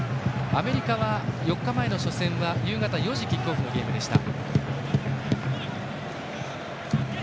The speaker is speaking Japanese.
アメリカは４日前の初戦は夕方４時キックオフのゲームでした。